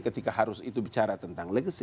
ketika harus itu bicara tentang legacy